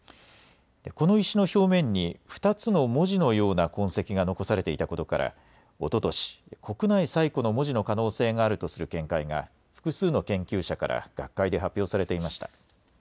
この石の表面に、２つの文字のような痕跡が残されていたことから、おととし、国内最古の文字の可能性があるとする見解が、複数の研究者から学会で発表されていました。